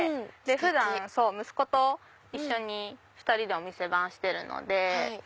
普段息子と一緒に２人でお店番してるので。